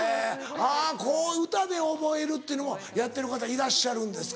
はぁこう歌で覚えるっていうのもやってる方いらっしゃるんですか？